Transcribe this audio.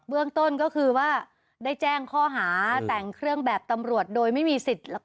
เรื่องต้นก็คือว่าได้แจ้งข้อหาแต่งเครื่องแบบตำรวจโดยไม่มีสิทธิ์